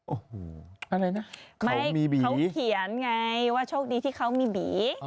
โอ้โหอะไรนะไม่เขาเขียนไงว่าโชคดีที่เขามีบี